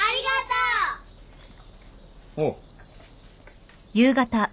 おう。